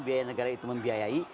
biaya negara itu membiayai